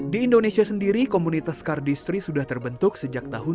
di indonesia sendiri komunitas kardistri sudah terbentuk sejak tahun dua ribu